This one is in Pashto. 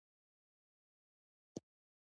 په مېله کښي خلک دودیز کالي اغوندي.